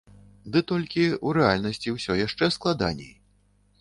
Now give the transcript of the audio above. Ды толькі ў рэальнасці ўсё яшчэ складаней.